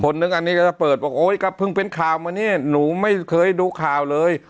นึงอันนี้ก็จะเปิดบอกโอ๊ยก็เพิ่งเป็นข่าวมาเนี่ยหนูไม่เคยดูข่าวเลย